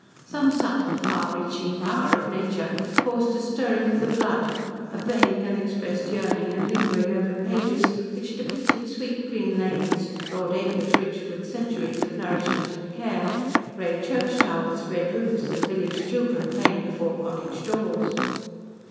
Some subtle, far reaching power of nature caused a stirring of the blood, a vague, unexpressed yearning and lingering over pages which depicted sweet, green lanes, broad acres rich with centuries of nourishment and care; grey church towers, red roofs, and village children playing before cottage doors.